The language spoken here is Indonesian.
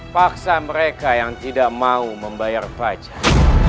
paksa mereka yang tidak mau membayar pajak